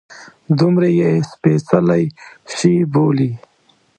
دومره یې سپیڅلی شي بولي.